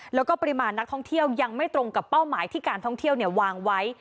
แล้วก็ปริมาณนักท่องเที่ยวยังไม่ตรงกับเป้าหมายที่การท่องเที่ยววางไว้